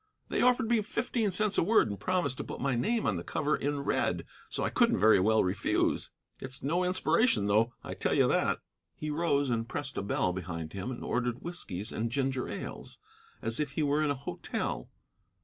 They offered me fifteen cents a word and promised to put my name on the cover in red, so I couldn't very well refuse. It's no inspiration, though, I tell you that." He rose and pressed a bell behind him and ordered whiskeys and ginger ales, as if he were in a hotel.